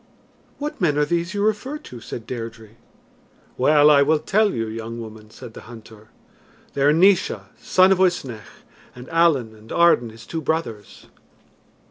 "What men are these you refer to?" said Deirdre. "Well, I will tell you, young woman," said the hunter. "They are Naois, son of Uisnech, and Allen and Arden his two brothers."